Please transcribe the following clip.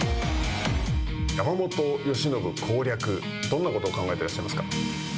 山本由伸攻略、どんなことを考えていらっしゃいますか。